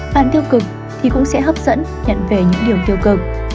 bàn tiêu cực thì cũng sẽ hấp dẫn nhận về những điều tiêu cực